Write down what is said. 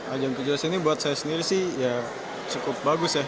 ajang kejuaraan ini buat saya sendiri sih cukup bagus ya